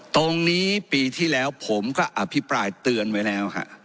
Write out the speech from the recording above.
ตรงนี้ปีที่แล้วผมก็อภิปรายเตือนไว้แล้วฮะ